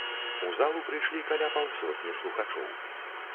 У залу прыйшлі каля паўсотні слухачоў.